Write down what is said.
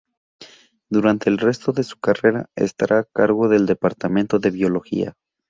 Durante el resto de su carrera estará a cargo del departamento de biología.